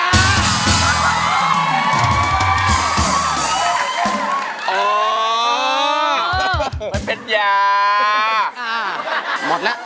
มันเป็นยา